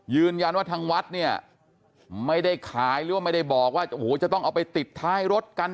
ยืนยันว่าทางวัดเนี่ยไม่ได้ขายหรือว่าไม่ได้บอกว่าโอ้โหจะต้องเอาไปติดท้ายรถกัน